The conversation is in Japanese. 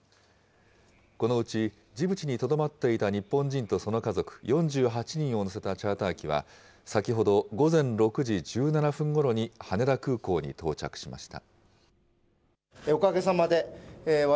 このうちジブチにとどまっていた日本人とその家族４８人を乗せたチャーター機は、先ほど午前６時１７分ごろに羽田空港に到着しました。